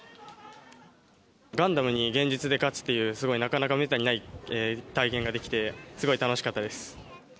ガンダムに現実で勝つっていう、なかなかめったにない体験ができて、すごい楽しかったです。